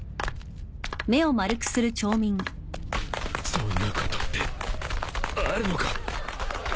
そんなことってあるのか！？